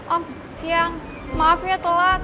om siang maaf ya telat